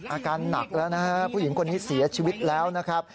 อาการหนักแล้วนะฮะผู้หญิงคนนี้เสียชีวิตแล้วนะครับ